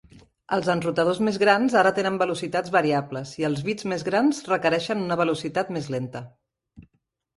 Els enrutadors més grans ara tenen velocitats variables i els bits més grans requereixen una velocitat més lenta.